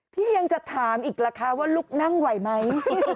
พี่ยังจะถามอีกล่ะคะว่าลูกนั่งไหวไหม